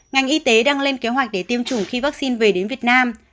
ngành y tế đang lên kế hoạch để tiêm chủng khi vaccine về đến việt nam